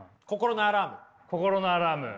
心のアラーム。